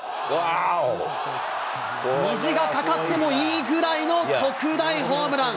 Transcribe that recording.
虹か架かってもいいぐらいの特大ホームラン。